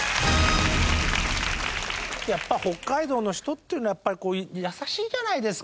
北海道の人っていうのはやっぱり優しいじゃないですか。